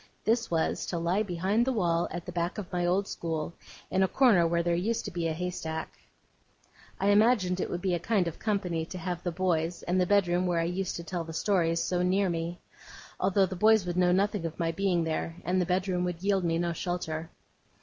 This was, to lie behind the wall at the back of my old school, in a corner where there used to be a haystack. I imagined it would be a kind of company to have the boys, and the bedroom where I used to tell the stories, so near me: although the boys would know nothing of my being there, and the bedroom would yield me no shelter.